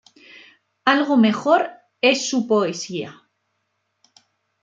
Algo mejor es su poesía.